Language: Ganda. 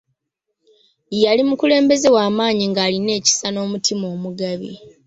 Yali mukulembeze wa maanyi ng'alina ekisa n'omutima omugabi.